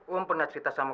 om pernah cerita sama kamu